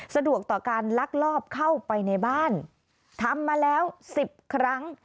สะดวกต่อการลักลอบเข้าไปในบ้านทำมาแล้ว๑๐ครั้ง